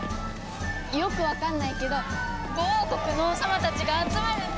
よくわかんないけど５王国の王様たちが集まるんだって！